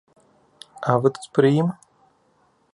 А вы тут пры ім?